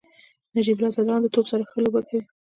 نجیب الله زدران د توپ سره ښه لوبه کوي.